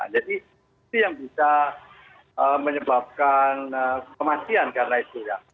jadi itu yang bisa menyebabkan kematian karena itu ya